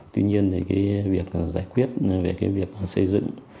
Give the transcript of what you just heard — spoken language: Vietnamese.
tuy nhiên việc giải quyết về việc xây dựng